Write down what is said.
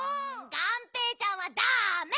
がんぺーちゃんはだめ！